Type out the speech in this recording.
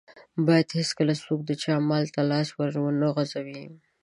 بايد هيڅکله څوک د چا مال ته لاس ور و نه غزوي.